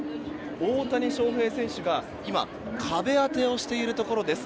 大谷翔平選手が今壁当てをしているところです。